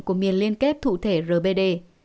của miền liên kết thụ thể rbd